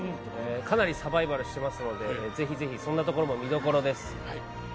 かなりサバイバルしてますので、ぜひぜひそんなところも見どころです。